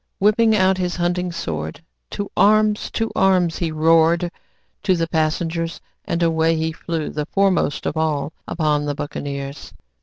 Whipping out his hunting sword, "To arms! to arms!" he roared to the passengers; and away he flew, the foremost of all, upon the buccaneers.